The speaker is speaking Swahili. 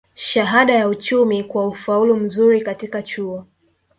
shahada ya uchumi kwa ufaulu mzuri katika chuo